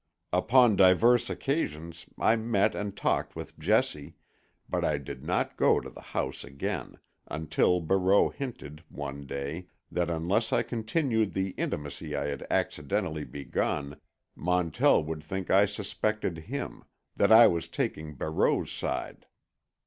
Upon divers occasions I met and talked with Jessie, but I did not go to the house again, until Barreau hinted, one day, that unless I continued the intimacy I had accidentally begun, Montell would think I suspected him, that I was taking Barreau's side.